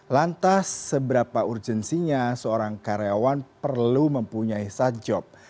lantas seberapa urgensinya seorang karyawan perlu mempunyai sadjob